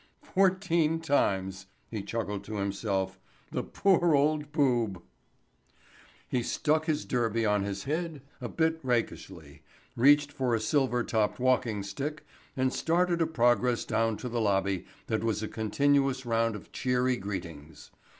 "Fourteen times," he chuckled to himself. "The poor old boob." He stuck his derby on his head a bit rakishly, reached for a silver topped walking stick and started a progress down to the lobby that was a continuous round of cheery greetings.